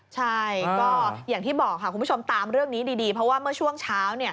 ใช่คุณผู้ชมตามเรื่องนี้ดีเพราะเมื่อช่วงเช้า